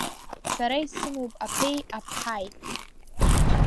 Сара исымоуп аԥеи аԥҳаи.